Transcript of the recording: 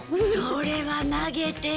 それは投げてる。